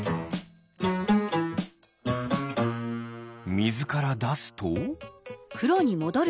みずからだすと？